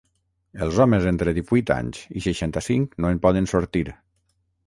Els homes entre divuit anys i seixanta-cinc no en poden sortir.